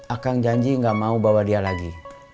akang janji gak mau bawa dia lagi